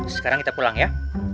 sekarang kita pulang ya